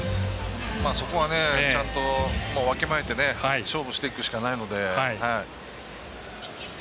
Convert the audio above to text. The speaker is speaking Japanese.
そこはちゃんとわきまえて勝負していくしかないので。